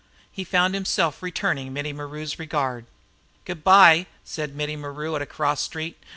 He found himself returning Mittie Maru's regard. "Good bye," said Mittie Maru at a cross street.